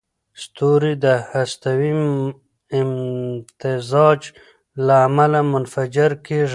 ستوري د هستوي امتزاج له امله منفجر کېږي.